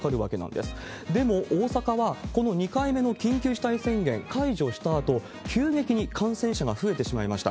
でも、大阪はこの２回目の緊急事態宣言解除したあと、急激に感染者が増えてしまいました。